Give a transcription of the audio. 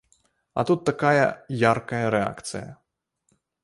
А тут такая яркая рэакцыя!